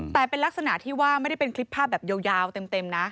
แต่เป็นลักษณะที่ว่าไม่ได้เป็นคลิปภาพแบบยาวเต็มนะ